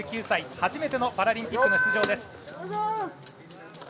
４９歳、初めてのパラリンピック出場。